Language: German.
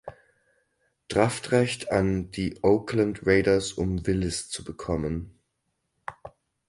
Draftrecht an die Oakland Raiders um Willis zu bekommen.